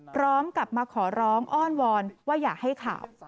พร้อมกับมาขอร้องอ้อนวอนว่าอย่าให้ข่าว